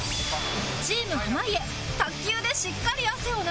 チーム濱家卓球でしっかり汗を流し